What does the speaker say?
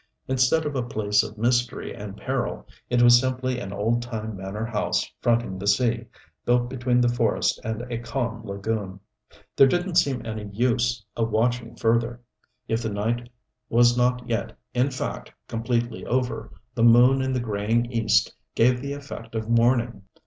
Instead of a place of mystery and peril, it was simply an old time manor house fronting the sea, built between the forest and a calm lagoon. There didn't seem any use of watching further. If the night was not yet, in fact, completely over, the moon and the graying east gave the effect of morning.